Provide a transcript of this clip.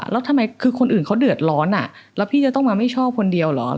แล้วทำไมคือคนอื่นเขาเดือดร้อนอ่ะแล้วพี่จะต้องมาไม่ชอบคนเดียวเหรอ